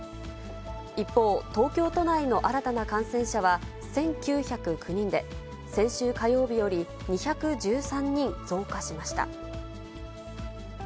一方、東京都内の新たな感染者は１９０９人で、先週火曜日より２１３人増加しました。